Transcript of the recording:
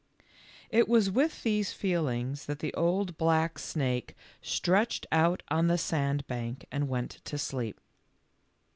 It was with these feelings that the old black snake stretched out on the sandbank and went to sleep.